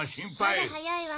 まだ早いわ。